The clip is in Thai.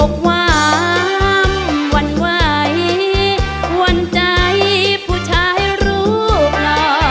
ความหวั่นไหวควรใจผู้ชายรูปหล่อ